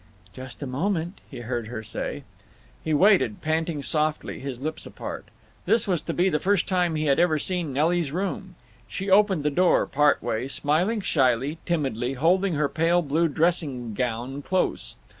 "Just a moment," he heard her say. He waited, panting softly, his lips apart. This was to be the first time he had ever seen Nelly's room. She opened the door part way, smiling shyly, timidly, holding her pale blue dressing gown close.